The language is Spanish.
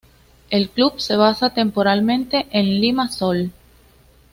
El club se basa temporalmente en Limassol.